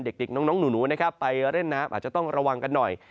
เด็กน้องหนูนะครับไปเล่นน้ำอาจจะต้องระวังกันหน่อย